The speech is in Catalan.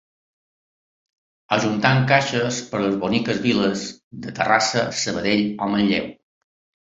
Ajuntem caixes per les boniques viles de Terrassa, Sabadell o Manlleu.